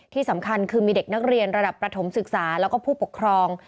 ที่สำคัญคือมีเด็กนักเรียนระดับประถมศึกษาแล้วก็ผู้ปกครอง